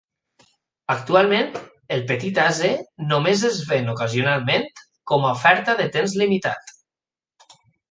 Actualment el petit ase només es ven ocasionalment, com a "oferta de temps limitat".